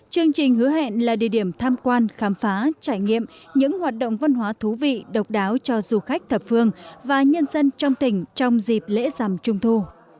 chương trình hứa hẹn là địa điểm tham quan khám phá trải nghiệm những hoạt động văn hóa thú vị độc đáo cho du khách thập phương và nhân dân trong tỉnh trong dịp lễ rằm trung thu